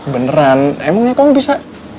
beneran emangnya kamu bisa